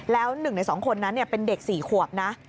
แล้ว๑ใน๒คนนั้นเป็นเด็ก๔ขวบนะ